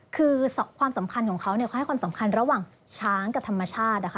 คือความสำคัญของเขาเขาให้ความสำคัญระหว่างช้างกับธรรมชาตินะคะ